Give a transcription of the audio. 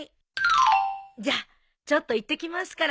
じゃあちょっと行ってきますから。